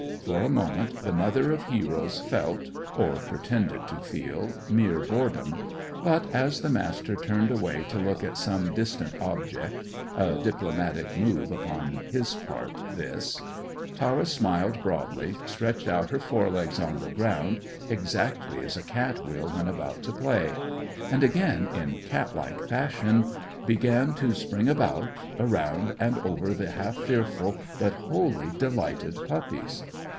For a moment the mother of heroes felt, or pretended to feel, mere boredom; but as the Master turned away to look at some distant object a diplomatic move upon his part this Tara smiled broadly, stretched out her fore legs on the ground, exactly as a cat will when about to play, and, again in cat like fashion, began to spring about, around, and over the half fearful but wholly delighted puppies.